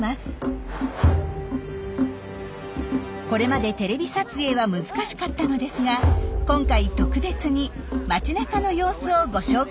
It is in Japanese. これまでテレビ撮影は難しかったのですが今回特別に街なかの様子をご紹介しましょう。